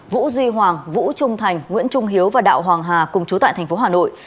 vũ duy hoàng vũ trung thành nguyễn trung hiếu và đạo hoàng hà cùng chú tại thành phố hà nội